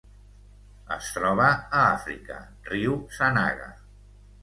Es troba a Àfrica: riu Sanaga.